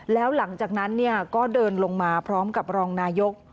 แล้วหลังจากนั้นก็เดินลงมาพร้อมกับรองนายก